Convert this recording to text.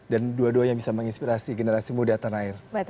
dan dua duanya bisa menginspirasi generasi muda tanah air